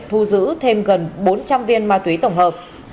thu giữ thêm gần bốn trăm linh viên ma túy tổng hợp